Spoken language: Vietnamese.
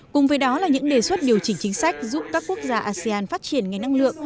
cùng với đó là những đề xuất điều chỉnh chính sách giúp các quốc gia asean phát triển ngay năng lượng